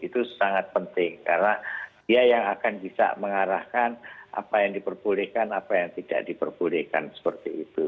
itu sangat penting karena dia yang akan bisa mengarahkan apa yang diperbolehkan apa yang tidak diperbolehkan seperti itu